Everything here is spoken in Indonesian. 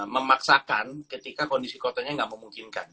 memaksakan ketika kondisi kotanya tidak memungkinkan